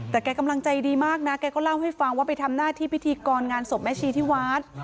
แต่แกกำลังใจดีมากนะแกก็เล่าให้ฟังว่าไปทำหน้าที่พิธีกรงานศพแม่ชีที่วัด